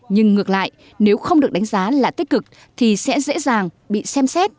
nhưng ngược lại nếu không được đánh giá là tích cực thì sẽ dễ dàng bị xem xét